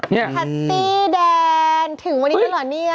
นี่ทัตตี้แดนถึงวันนี้เป็นเหรอเนี่ย